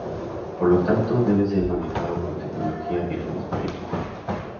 Por lo tanto, debe ser manejado con tecnología de atmósfera inerte.